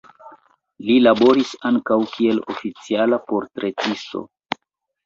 Li laboris ankaŭ kiel oficiala portretisto.